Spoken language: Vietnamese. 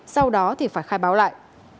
sau đó thì phải khai báo lại